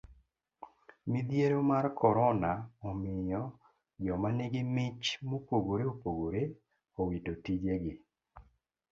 Midhiero mar korona omiyo joma nigi mich mopogore opogore owito tije gi.